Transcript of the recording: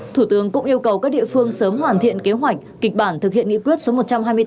thủ tướng cũng yêu cầu các địa phương sớm hoàn thiện kế hoạch kịch bản thực hiện nghị quyết số một trăm hai mươi bốn